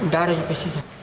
darah juga isinya